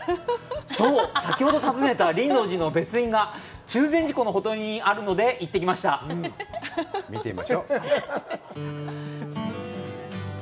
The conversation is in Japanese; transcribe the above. そう、先ほど訪ねた輪王寺の別院が中禅寺湖のほとりにあるので行ってきました。